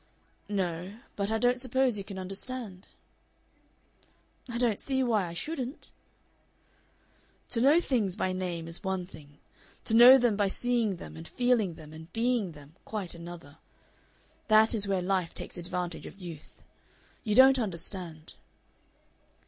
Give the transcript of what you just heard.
"No. But I don't suppose you can understand." "I don't see why I shouldn't." "To know things by name is one thing; to know them by seeing them and feeling them and being them quite another. That is where life takes advantage of youth. You don't understand."